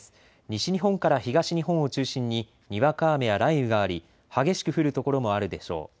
西日本から東日本を中心ににわか雨や雷雨があり激しく降る所もあるでしょう。